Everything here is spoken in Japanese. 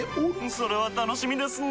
それは楽しみですなぁ。